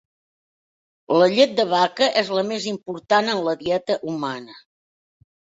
La llet de vaca és la més important en la dieta humana.